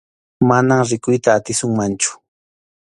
Manam rikuyta atisunmanchu.